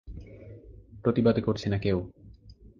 প্রতিবাদ করছে না কেউ।